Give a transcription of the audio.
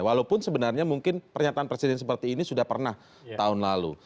walaupun sebenarnya mungkin pernyataan presiden seperti ini sudah pernah tahun lalu